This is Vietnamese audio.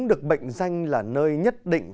được bệnh danh là nơi nhất định